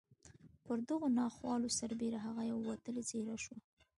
پر دغو ناخوالو سربېره هغه یوه وتلې څېره شوه